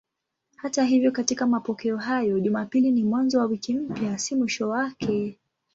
Hata hivyo katika mapokeo hayo Jumapili ni mwanzo wa wiki mpya, si mwisho wake.